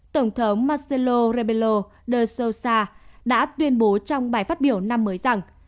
tổng thống marcelo rebelo de sousa đã tuyên bố trong bài phát biểu năm mới rằng